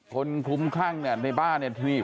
คนคลุมข้างเนี่ยในบ้านเนี่ย